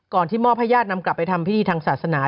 ที่มอบให้ญาตินำกลับไปทำพิธีทางศาสนา